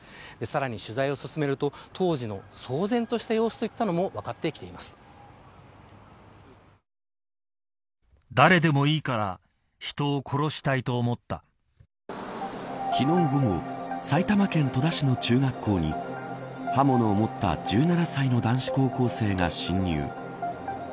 さらに取材を進めると当時の騒然とした様子が昨日午後埼玉県戸田市の中学校に刃物を持った１７歳の男子高校生が侵入。